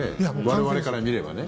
我々から見ればね。